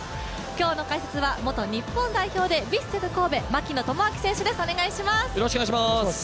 今日の解説は元日本代表でヴィッセル神戸、槙野智章選手です。